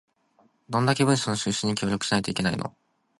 どんだけ文書の収集に協力しないといけないの